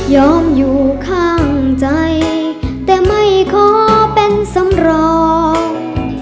อยู่ข้างใจแต่ไม่ขอเป็นสำรอง